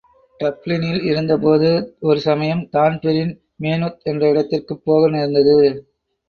டப்ளினில் இருந்தபோது ஒருசமயம் தான்பிரீன் மேனுத் என்ற இடத்திற்குப்போக நேர்ந்தது.